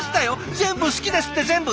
「全部好きです」って「全部」。